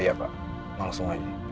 iya pak langsung aja